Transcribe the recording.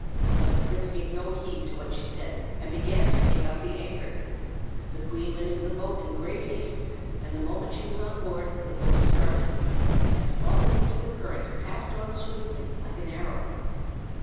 But the prince gave no heed to what she said, and began to take up the anchor. The queen went up into the boat in great haste; and the moment she was on board the boat started, and falling into the current passed on swiftly like an arrow.